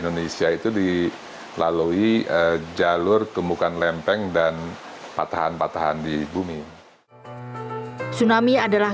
gangguan impulsif tersebut terjadi akibat adanya perubahan bentuk dasar